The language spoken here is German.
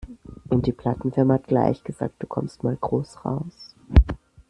Und die Plattenfirma hat gleich gesagt, du kommst mal groß raus.